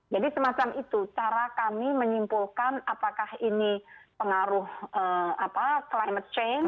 jadi semacam itu cara kami menyimpulkan apakah ini pengaruh climate change